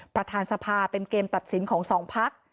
ประธานสภาเป็นเกมตัดสินของสองพัก